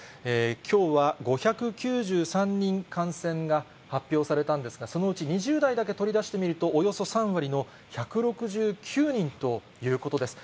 きょうは５９３人、感染が発表されたんですが、そのうち２０代だけ取り出してみると、およそ３割の１６９人ということです。